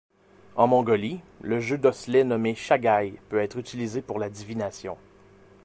En Mongolie, le jeu d'osselets nommé Shagai peut être utilisé pour la divination.